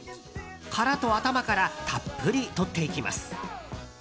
殻と頭からたっぷりとっていきます。